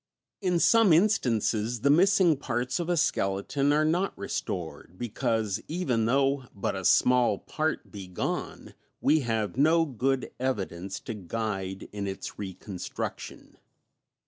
] In some instances the missing parts of a skeleton are not restored, because, even though but a small part be gone, we have no good evidence to guide in its reconstruction.